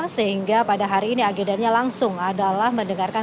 sehingga pada hari ini agendanya langsung adalah mendengarkan